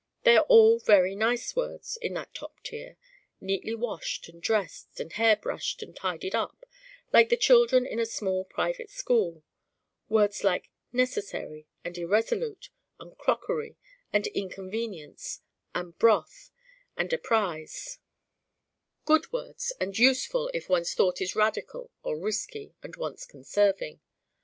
They are all very nice words in that top tier neatly washed and dressed and hair brushed and tidied up, like the children in a small private school: words like Necessary and Irresolute and Crockery and Inconvenience and Broth and Apprise: good words and useful if one's thought is radical or risky and wants conserving.